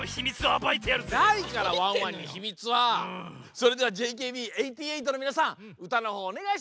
それではＪＫＢ８８のみなさんうたのほうおねがいします！